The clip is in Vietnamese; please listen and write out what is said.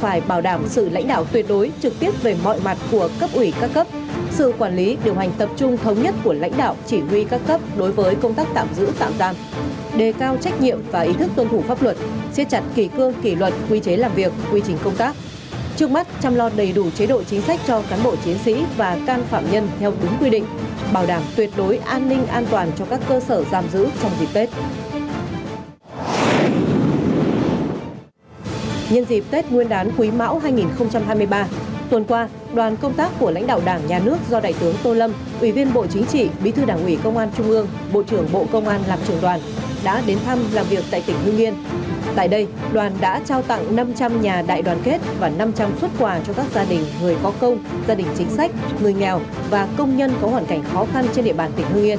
tại đây đoàn đã trao tặng năm trăm linh nhà đại đoàn kết và năm trăm linh xuất quà cho các gia đình người có công gia đình chính sách người nghèo và công nhân có hoàn cảnh khó khăn trên địa bàn tỉnh hương yên